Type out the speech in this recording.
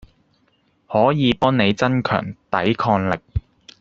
可以幫你增強抵抗力